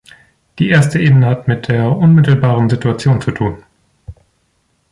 Die erste Ebene hat mit der unmittelbaren Situation zu tun.